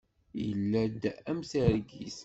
Yella-d am targit.